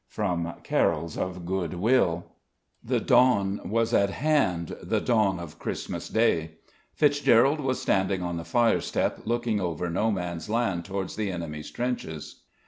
(From "Carols of Good Will.") The dawn was at hand, the dawn of Christmas Day. Fitzgerald was standing on the firestep looking over No Man's Land towards the enemy's trenches.